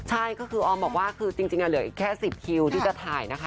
ใช่ก็คือออมบอกว่าคือจริงเหลืออีกแค่๑๐คิวที่จะถ่ายนะคะ